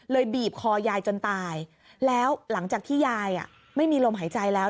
บีบคอยายจนตายแล้วหลังจากที่ยายไม่มีลมหายใจแล้ว